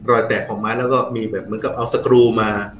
รอยแตกของมันแล้วก็มีแบบเหมือนกับเอาสกรูมา